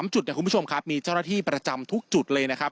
จุดเนี่ยคุณผู้ชมครับมีเจ้าหน้าที่ประจำทุกจุดเลยนะครับ